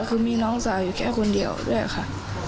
คือมีน้องสาวอยู่แค่คนเดียวด้วยค่ะ